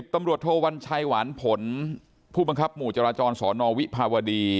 ตำรวจโทวัญชัยหวานผลผู้บังคับหมู่จราจรสอนอวิภาวดี